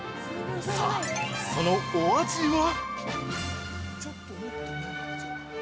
さぁ、そのお味は？